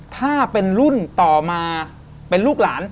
ถ้าเป็นรุ่นต่อมาเป็นลูกหลาน